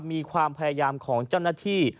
มีความพยายามของเจ้าหน้าที่